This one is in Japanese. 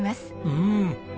うん。